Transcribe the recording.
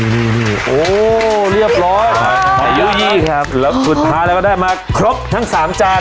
นี่โอ้เรียบร้อยครับแล้วสุดท้ายแล้วก็ได้มาครบทั้งสามจาน